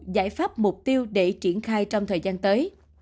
giải pháp mục tiêu để triển khai trong thời gian tới